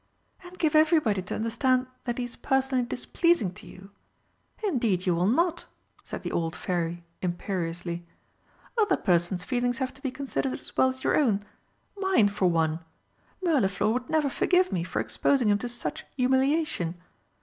"And give everybody to understand that he is personally displeasing to you! Indeed you will not!" said the old Fairy imperiously. "Other persons' feelings have to be considered as well as your own. Mine, for one. Mirliflor would never forgive me for exposing him to such humiliation.